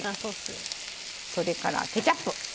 それからケチャップ。